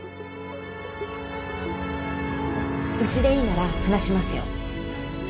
家でいいなら話しますよ？